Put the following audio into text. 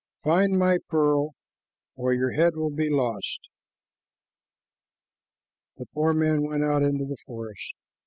Find my pearl, or your head will he lost." The poor man went out into the forest.